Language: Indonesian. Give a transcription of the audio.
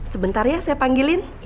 sebentar ya saya panggilin